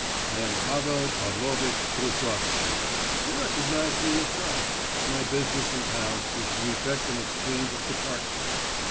I am Pavel Pavlovitch Trusotsky, you recognized me yourself, my business in town is to effect an exchange of departments.